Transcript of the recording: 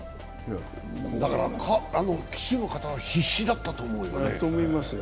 騎手の方は必死だったと思うよね。